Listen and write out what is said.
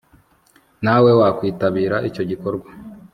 nawe wakwitabira icyo gikorwa